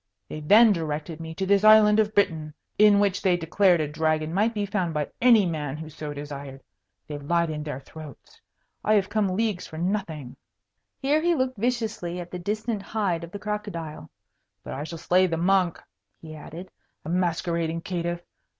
They then directed me to this island of Britain, in which they declared a dragon might be found by any man who so desired. They lied in their throats. I have come leagues for nothing." Here he looked viciously at the distant hide of the crocodile. "But I shall slay the monk," he added. "A masquerading caitiff!